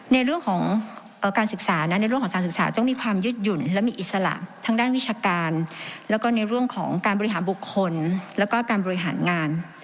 ในเรื่องของการศึกษาในเรื่องของการศึกษาต้องมีความยึดหยุ่นและมีอิสระทางด้านวิชาการแล้วก็ในเรื่องของการบริหารบุคคลแล้วก็การบริหารงาน